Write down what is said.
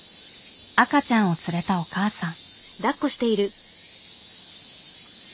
赤ちゃんを連れたお母さん。